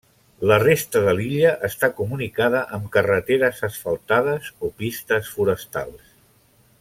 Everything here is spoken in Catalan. La resta de l'illa està comunicada amb carreteres asfaltades o pistes forestals.